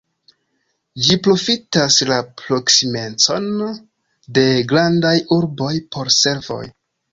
Ĝi profitas la proksimecon de grandaj urboj por servoj.